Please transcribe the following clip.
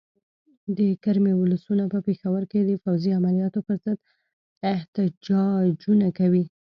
د کرمې ولسونه په پېښور کې د فوځي عملیاتو پر ضد احتجاجونه کوي.